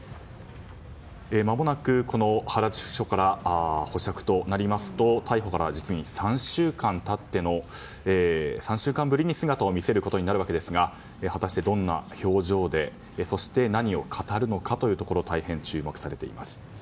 まもなく原宿署から保釈となりますと逮捕から実に３週間ぶりに姿を見せることになりますが果たして、どんな表情でそして何を語るのかというところ大変、注目されています。